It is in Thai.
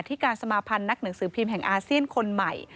ที่การสมาพันธ์นักหนังสือพิมพ์แห่งอาเซียนคนใหม่